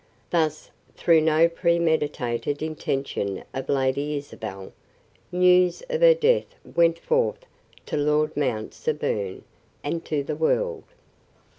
Thus, through no premeditated intention of Lady Isabel, news of her death went forth to Lord Mount Severn and to the world.